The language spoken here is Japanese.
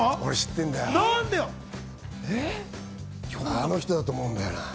あの人だと思うんだよな。